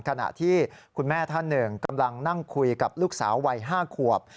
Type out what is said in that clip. ขณะที่คุณแม่ท่านหนึ่งกำลังนั่งคุยกับลูกสาววัย๕ขวบ